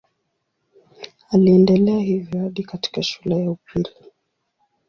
Aliendelea hivyo hadi katika shule ya upili.